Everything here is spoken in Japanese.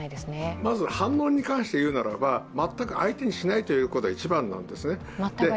まず、反応に関していうならば全く相手にしないというのが一番なんですね。